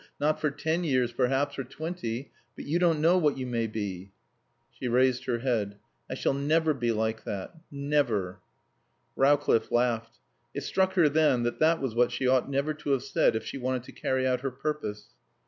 Not for ten years, perhaps, or twenty. But you don't know what you may be." She raised her head. "I shall never be like that. Never." Rowcliffe laughed. It struck her then that that was what she ought never to have said if she wanted to carry out her purpose.